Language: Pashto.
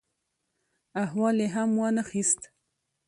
احوال یې هم وا نه خیست.